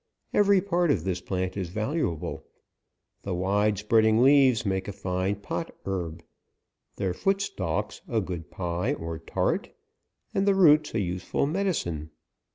Every part of this plant is valuable : the wide spreading leaves make a fine pot herb ; their foot stalks a good pie or tart, and the roots a useful medicine.